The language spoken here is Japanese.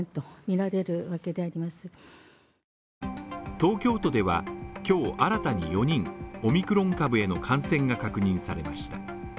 東京都では今日新たに４人オミクロン株への感染が確認されました。